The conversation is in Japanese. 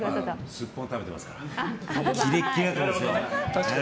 すっぽん食べてますからキレッキレになってますよ。